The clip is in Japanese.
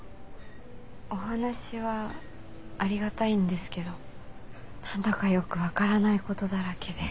お話はありがたいんですけど何だかよく分からないことだらけで。